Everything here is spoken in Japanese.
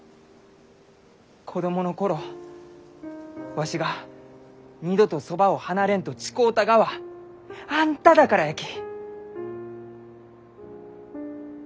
子供の頃わしが二度とそばを離れんと誓うたがはあんただからやき。